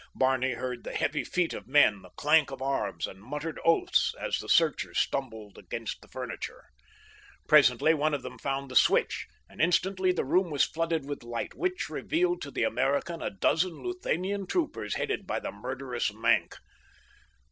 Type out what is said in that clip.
Barney heard the heavy feet of men, the clank of arms, and muttered oaths as the searchers stumbled against the furniture. Presently one of them found the switch and instantly the room was flooded with light, which revealed to the American a dozen Luthanian troopers headed by the murderous Maenck.